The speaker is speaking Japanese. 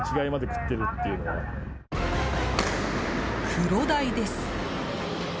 クロダイです。